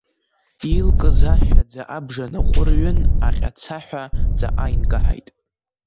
Илкыз ашәаӡа абжа наҟәырҩын, аҟьацаҳәа ҵаҟа инкаҳаит.